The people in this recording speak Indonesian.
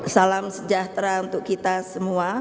salam sejahtera untuk kita semua